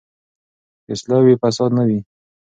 که اصلاح وي، فساد نه وي.